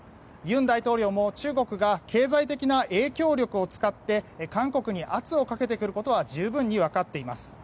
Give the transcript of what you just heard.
尹大統領も中国が経済的な影響力を使って韓国に圧をかけてくることは十分に分かっています。